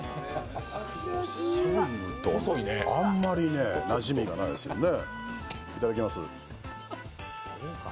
細い麺ってあんまりなじみがないですよね。